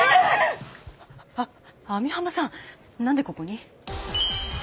あ網浜さん何でここに！？